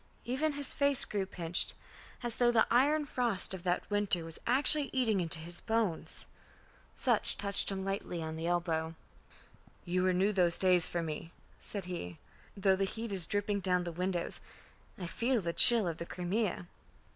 Even his face grew pinched, as though the iron frost of that winter was actually eating into his bones. Sutch touched him lightly on the elbow. "You renew those days for me," said he. "Though the heat is dripping down the windows, I feel the chill of the Crimea."